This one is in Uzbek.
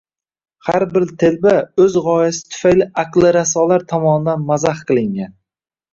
har bir «telba» o‘z g‘oyasi tufayli «aqli raso»lar tomonidan mazax qilingan.